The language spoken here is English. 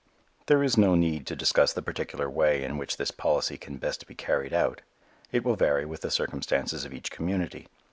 There is no need to discuss the particular way in which this policy can best be carried out. It will vary with the circumstances of each community.